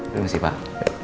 terima kasih pak